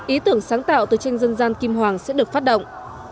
ý tưởng sáng tạo từ tranh dân gian kim hoàng sẽ được phát động